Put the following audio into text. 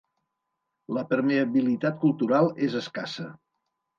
La permeabilitat cultural és escassa.